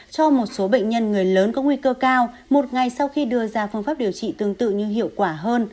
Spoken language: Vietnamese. cho một số bệnh nhân người lớn có nguy cơ cao một ngày sau khi đưa ra phương pháp điều trị tương tự như hiệu quả hơn